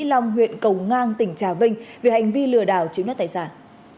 lòng huyện cầu ngang tỉnh tràng vinh vì hành vi lừa đảo chiếm đất tài sản